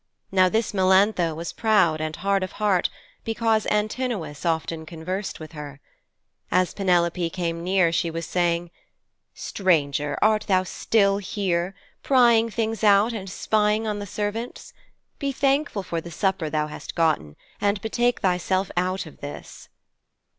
Now this Melantho was proud and hard of heart because Antinous often conversed with her. As Penelope came near she was saying: 'Stranger, art thou still here, prying things out and spying on the servants? Be thankful for the supper thou hast gotten and betake thyself out of this.'